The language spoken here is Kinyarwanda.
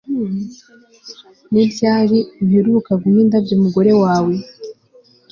ni ryari uheruka guha indabyo umugore wawe